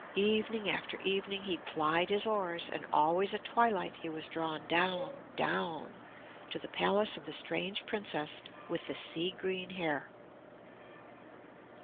Evening after evening he plied his oars, and always at twilight he was drawn down down, to the palace of the strange Princess with the sea green hair.